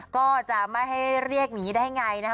ก็จะไม่ให้เรียกอย่างนี้ได้ไงนะคะ